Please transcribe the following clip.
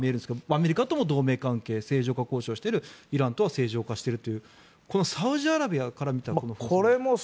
アメリカとの同盟関係正常化交渉しているイランとは正常化してるというサウジアラビアから見て。